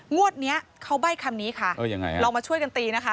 งวดเนี้ยเขาใบ้คำนี้ค่ะเออยังไงเรามาช่วยกันตีนะคะ